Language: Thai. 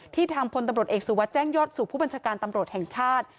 ทางพลตำรวจเอกสุวัสดิแจ้งยอดสู่ผู้บัญชาการตำรวจแห่งชาติ